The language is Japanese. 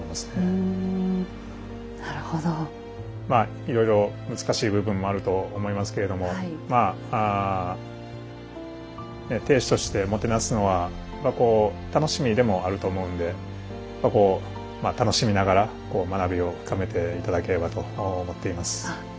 まあいろいろ難しい部分もあると思いますけれどもまあ亭主としてもてなすのはこう楽しみでもあると思うんでこう楽しみながら学びを深めて頂ければと思っています。